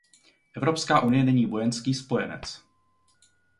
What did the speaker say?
Evropská unie není vojenský spojenec.